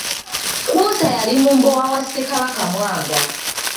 Kkunsa yali mumbowa wa Ssekabaka Mwanga.